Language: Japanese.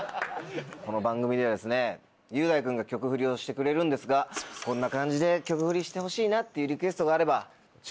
この番組ではですね雄大君が曲フリをしてくれるんですがこんな感じで曲フリしてほしいなっていうリクエストがあれば。